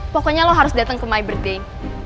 pokoknya lo harus dateng ke my birthday